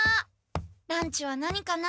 ランチは何かな？